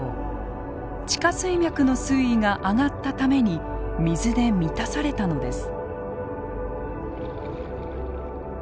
地下水脈の水位が上がったために水で満たされたのです。